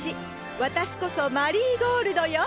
私こそマリーゴールドよ。